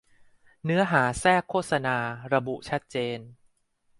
เนื้อหาแทรกโฆษณา ระบุชัดเจน